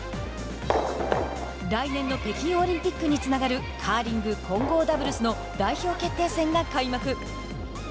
来年の北京オリンピックにつながるカーリング混合ダブルスの代表決定戦が開幕。